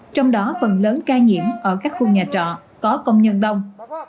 trong đó phần lớn ca nhiễm ở các khu nhà trọ có công nhân đông